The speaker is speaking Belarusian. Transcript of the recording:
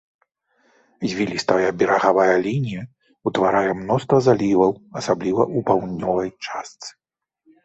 Звілістая берагавая лінія ўтварае мноства заліваў, асабліва ў паўднёвай частцы.